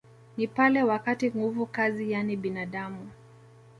Ni pale wakati nguvu kazi yani binadamu